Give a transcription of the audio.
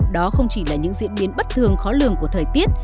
đó không chỉ là những diễn biến bất thường khó lường của thời tiết